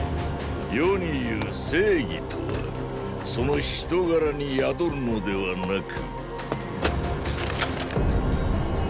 世に言う「正義」とはその人柄に宿るのではなくーー。